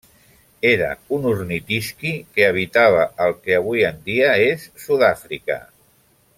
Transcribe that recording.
Era un ornitisqui que habitava al que avui en dia és Sud-àfrica.